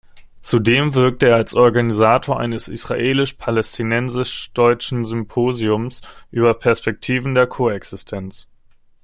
Zudem wirkte er als Organisator eines israelisch-palästinensisch-deutschen Symposiums über „Perspektiven der Koexistenz“.